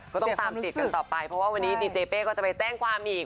ก็ต้องตามติดกันต่อไปเพราะว่าวันนี้ดีเจเป้ก็จะไปแจ้งความอีก